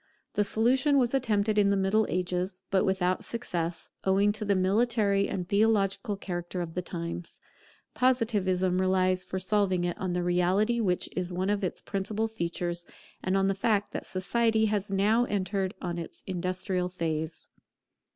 The solution was attempted in the Middle Ages; but without success, owing to the military and theological character of the times. Positivism relies for solving it on the reality which is one of its principal features, and on the fact that Society has now entered on its industrial phase.